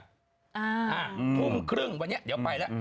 อ่าทุ่มครึ่งวันนี้เดี๋ยวไปแล้ว